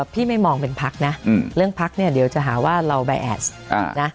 พี่ไม่มองเป็นพักนะเรื่องพักเนี่ยเดี๋ยวจะหาว่าเราใบแอสนะ